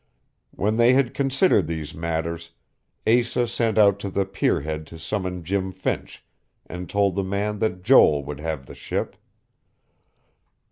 When they had considered these matters, Asa sent out to the pierhead to summon Jim Finch, and told the man that Joel would have the ship.